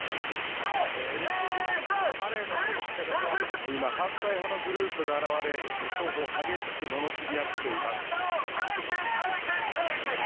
ＬＧＢＴＱのパレードなんですが今、反対派のグループが現れ双方激しくののしり合っています。